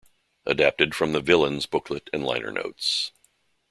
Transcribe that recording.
Adapted from the "Villains" booklet and liner notes.